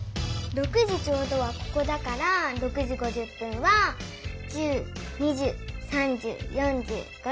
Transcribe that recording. ６時ちょうどはここだから６時５０分は１０２０３０４０５０ここ！